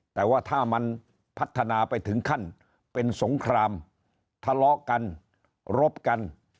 แต่ว่าถ้ามันพัฒนาไปถึงขั้นเป็นสงครามทะเลาะกันรบกัน